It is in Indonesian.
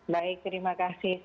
baik terima kasih